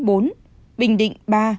bình định ba